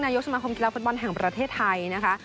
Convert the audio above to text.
ยกสมาคมกีฬาฟุตบอลแห่งประเทศไทยนะคะ